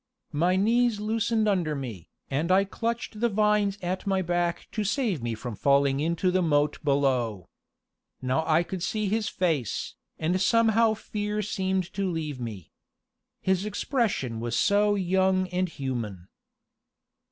My knees loosened under me, and I clutched the vines at my back to save me from falling into the moat below. Now I could see his face, and somehow fear seemed to leave me. His expression was so young and human.